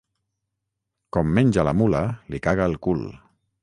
Com menja la mula li caga el cul.